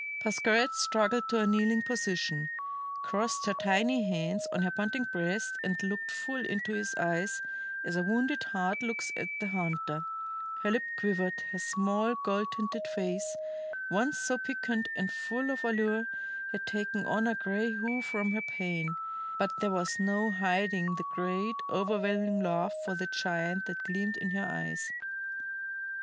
Pascherette struggled to a kneeling position, crossed her tiny hands on her panting breast, and looked full into his eyes as a wounded hart looks at the hunter. Her lip quivered, her small, gold tinted face, once so piquant and full of allure, had taken on a gray hue from her pain, but there was no hiding the great, overwhelming love for the giant that gleamed in her eyes.